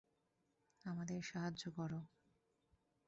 আমাদের সাহায্য করো!